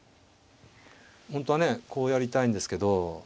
本当はねこうやりたいんですけど。